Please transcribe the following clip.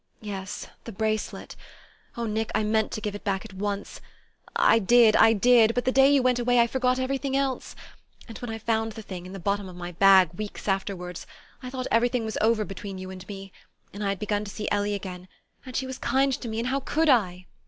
"Yes, the bracelet... Oh, Nick, I meant to give it back at once; I did I did; but the day you went away I forgot everything else. And when I found the thing, in the bottom of my bag, weeks afterward, I thought everything was over between you and me, and I had begun to see Ellie again, and she was kind to me and how could I?"